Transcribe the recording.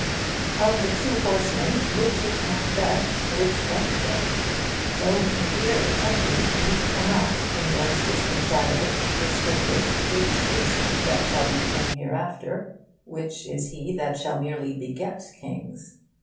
Of the two horsemen, which is Macbeth, which Banquo? Though we peer intently, we cannot in those distant shadows distinguish which is he that shall be king hereafter, which is he that shall merely beget kings.